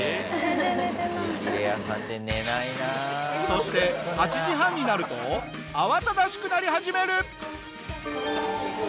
そして８時半になると慌ただしくなり始める。